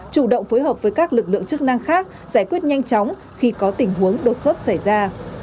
chủ động phối hợp với các lực lượng chức năng khác giải quyết nhanh chóng khi có tình huống đột xuất xảy ra